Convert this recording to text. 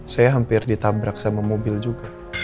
saya hampir ditabrak sama mobil juga